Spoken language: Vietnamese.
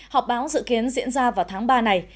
họp báo dự kiến diễn ra vào tháng ba này